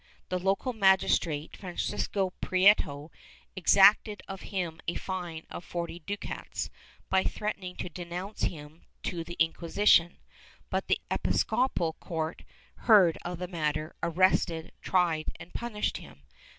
The local magistrate, Francisco Prieto, exacted of him a fine of forty ducats, by threaten ing to denounce him to the Inquisition, but the episcopal court heard of the matter, arrested, tried and punished him.